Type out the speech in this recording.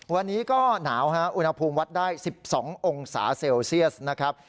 วันนี้ก็หนาวฮะอุณหภูมิวัดได้๑๒องศาเซลเซียสนะครับ